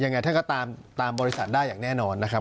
ยังไงท่านก็ตามบริษัทได้อย่างแน่นอนนะครับ